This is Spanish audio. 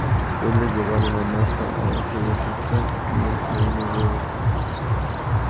Suele llevar una masa a base de azúcar, miel, harina, huevo.